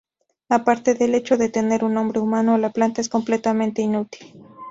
Aparte del hecho de tener un nombre humano, la planta es completamente inútil.